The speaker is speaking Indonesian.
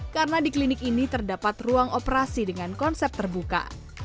karena di klinik ini terdapat ruang operasi dengan konsep terbuka